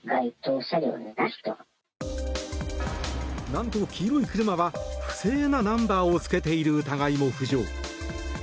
何と黄色い車は不正なナンバーを付けている疑いも浮上。